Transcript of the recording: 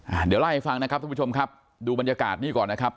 เดี๋ยวเล่าให้ฟังนะครับท่านผู้ชมครับดูบรรยากาศนี้ก่อนนะครับ